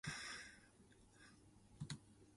有山便有水，有神便有鬼